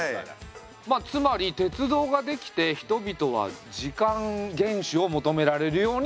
つまり鉄道ができて人々は時間厳守を求められるようになった。